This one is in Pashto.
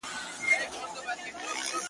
نیکه د ژمي په اوږدو شپو کي کیسې کولې!.